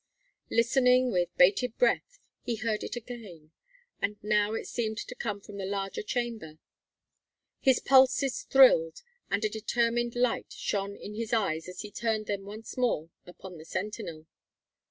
Listening with bated breath, he heard it again, and now it seemed to come from the larger chamber. His pulses thrilled, and a determined light shone in his eyes as he turned them once more upon the sentinel.